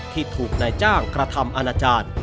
ที่ถูกนายจ้างกระทำอาณาจารย์